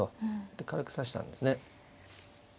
で軽く指したんですね。